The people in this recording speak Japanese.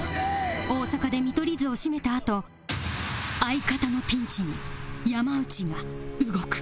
大阪で見取り図をシメたあと相方のピンチに山内が動く